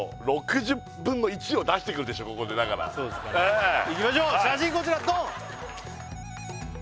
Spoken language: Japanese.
もうここでだからそうですかねいきましょう写真こちらドン！